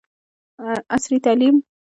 عصري تعلیم مهم دی ځکه چې سایبر امنیت ښيي.